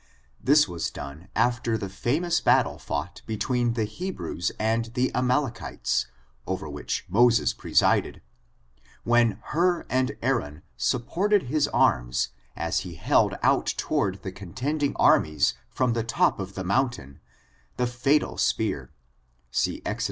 This was done after the famous battle fought be tween the Hebrews and the Amalekites, over which Moses presided, when Hur and Aaron supported his arms, as he held out toward the contending armies from the top of the mountain, the fatal spear — see Exod.